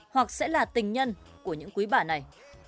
hoặc sẽ là tình nhân của những quý bà này